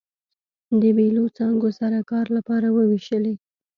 د بېلو څانګو سره کار لپاره ووېشلې.